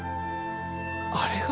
あれが？